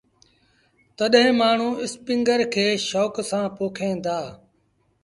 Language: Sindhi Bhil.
تڏهيݩ مآڻهوٚٚݩ اسپيٚنگر کي شوڪ سآݩ پوکيݩ دآ۔